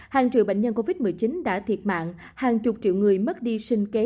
hàng triệu bệnh nhân covid một mươi chín đã thiệt mạng hàng chục triệu người mất đi sinh kế